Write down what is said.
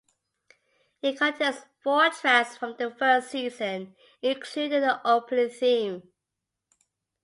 It contains four tracks from the first season, including the opening theme.